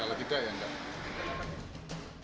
kalau tidak ya enggak